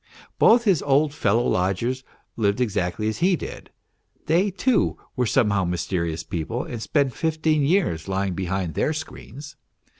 Both his 266 MR. PROHARTCHIN old fellow lodgers lived exactly as he did : they, too were, somehow mysterious people and spent fifteen years lying behind their screens.